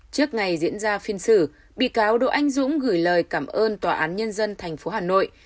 trước ngày diễn ra phiên xử bị cáo độ anh dũng gửi lời cảm ơn tòa án nhân dân tp hà nội